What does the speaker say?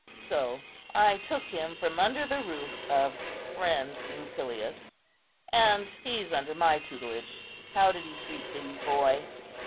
So I took him from under the roof of friend Rupilius, and he's under my tutelage. How did he treat thee, boy?"